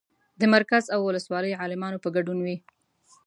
د مرکز او ولسوالۍ عالمانو په ګډون وي.